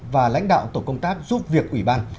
và lãnh đạo tổ công tác giúp việc ủy ban